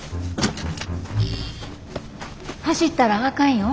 走ったらあかんよ。